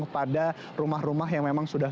pada rumah rumah yang memang sudah